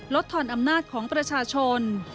ทอนอำนาจของประชาชน